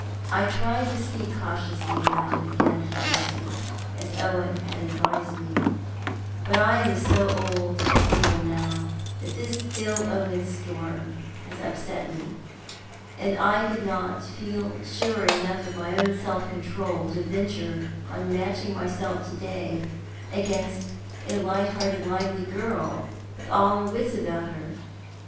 I tried to speak cautiously about him again to Jessie, as Owen had advised me; but I am so old and feeble now that this ill omened storm has upset me, and I could not feel sure enough of my own self control to venture on matching myself to day against a light hearted, lively girl, with all her wits about her.